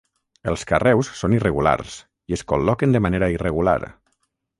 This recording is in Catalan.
Els carreus són irregulars i es col·loquen de manera irregular.